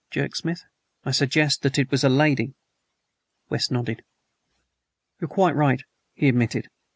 jerked Smith. "I suggest that it was a lady." West nodded. "You're quite right," he admitted.